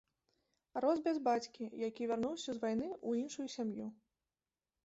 Рос без бацькі, які вярнуўся з вайны ў іншую сям'ю.